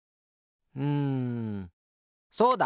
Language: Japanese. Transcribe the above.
うんそうだ！